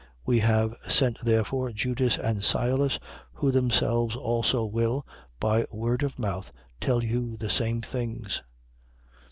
15:27. We have sent therefore Judas and Silas, who themselves also will, by word of mouth, tell you the same things.